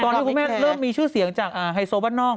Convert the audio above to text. ที่คุณแม่เริ่มมีชื่อเสียงจากไฮโซบ้านนอก